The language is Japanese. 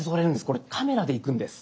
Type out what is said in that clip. これカメラでいくんです。